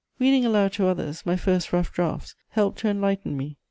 Reading aloud to others my first rough drafts helped to enlighten me.